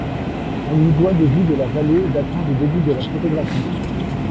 On lui doit des vues de la vallée datant des débuts de la photographie.